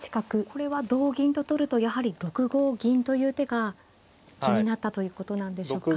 これは同銀と取るとやはり６五銀という手が気になったということなんでしょうか。